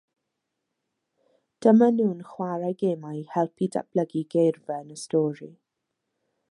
Dyma nhw'n chwarae gemau i helpu datblygu geirfa yn y stori